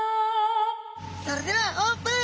それではオープン。